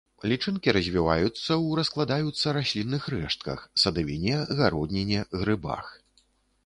Лічынкі развіваюцца ў раскладаюцца раслінных рэштках, садавіне, гародніне, грыбах.